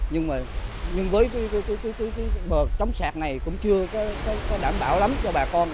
nhưng với cái bờ trống sạc này cũng chưa có đảm bảo lắm cho bà con